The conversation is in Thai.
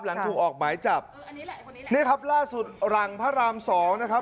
หลังถูกออกหมายจับเนี่ยครับล่าสุดหลังพระรามสองนะครับ